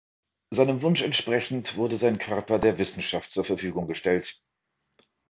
Seinem Wunsch entsprechend wurde sein Körper der Wissenschaft zur Verfügung gestellt.